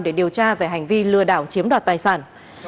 để điều tra về hành vi lừa đảo chiếm đoạt tài sản